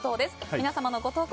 皆様のご投稿